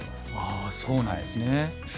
ああそうなんですね。